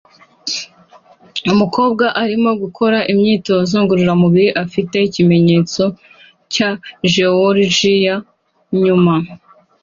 Umukobwa arimo gukora imyitozo ngororamubiri afite ikimenyetso cya Jeworujiya inyuma